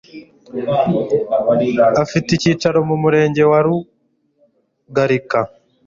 ufite icyicaro mu murenge wa rugalika